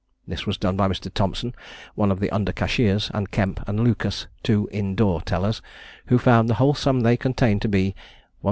This was done by Mr. Thompson, one of the under cashiers, and Kemp and Lucas, two in door tellers, who found the whole sum they contained to be 1,800_l.